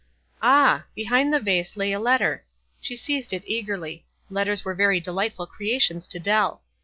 Ah ! Behind the vase lay a let ter. She seized it eagerly ; letters were very delightful creations to Dell.